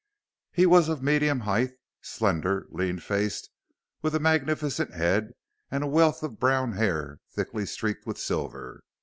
He was of medium height, slender, lean faced, with a magnificent head, and a wealth of brown hair thickly streaked with silver.